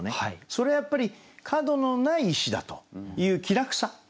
それはやっぱり角のない石だという気楽さ。